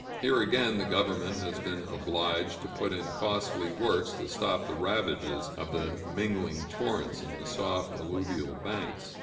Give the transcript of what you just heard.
Here again the government has been obliged to put in costly works to stop the ravages of the mingling torrents in the soft alluvial banks.